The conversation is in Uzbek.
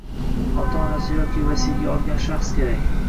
Ota-onasi yoki vasiyga olgan shaxs kerak.